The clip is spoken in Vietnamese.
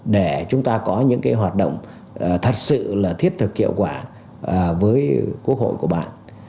để chúng ta có những cái hoạt động thật sự là thiết thực hiệu quả với quốc hội của bạn